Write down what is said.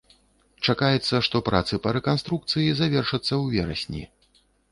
Чакаецца, што працы па рэканструкцыі завершацца ў верасні.